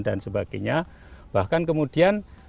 dan sebagainya bahkan kemudian